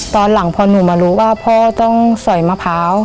ตอนหลังพอหนูมารู้ว่าพ่อต้องสอยมะพร้าว